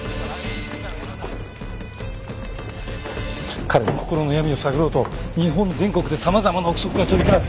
事件後彼の心の闇を探ろうと日本全国で様々な臆測が飛び交う。